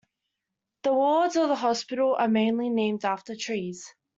The wards of the hospital are mainly named after trees.